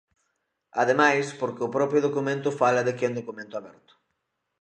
Ademais, porque o propio documento fala de que é un documento aberto.